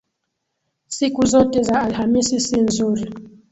Siku zote za Alhamisi si nzuri